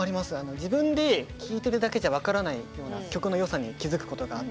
自分で聴いてるだけじゃ分からないような曲のよさに気付くことがあって。